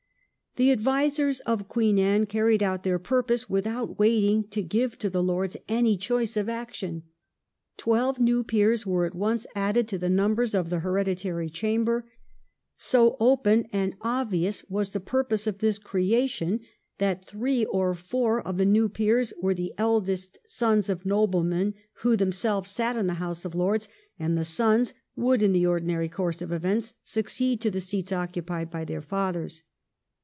The advisers of Queen Anne carried out their purpose without waiting to give to the Lords any choice of action. Twelve new peers were at once added to the numbers of the hereditary chamber. So open and obvious was the purpose of this crea tion, that three or four of the new peers were the eldest sons of noblemen who themselves sat in the House of Lords, and the sons would in the ordinary course of events succeed to the seats occupied by their fathers.